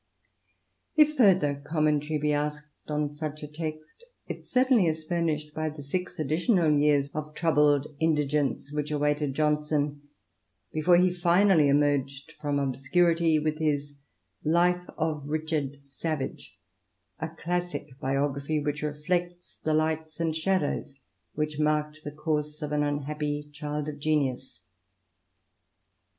If further commentary be asked on such a text, it certainly is furnished by the six additional years of troubled indigence which awaited Johnson before he finally emerged from obscurity with his Life of Richard Savage — a classic biography which reflects the lights and shadows which marked the course of an unhappy child of genius.